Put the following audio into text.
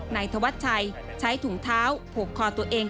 นายธวัชชัยใช้ถุงเท้าผูกคอตัวเอง